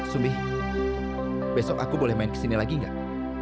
sumbi besok aku boleh main kesini lagi nggak